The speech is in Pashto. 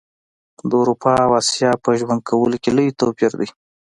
د اروپا او اسیا په ژوند کولو کي لوي توپیر ده